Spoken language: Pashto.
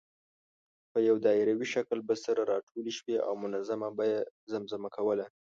په یو دایروي شکل به سره راټولې شوې او منظومه به یې زمزمه کوله.